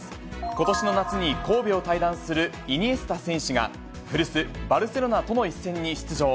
ことしの夏に神戸を退団するイニエスタ選手が、古巣、バルセロナとの一戦に出場。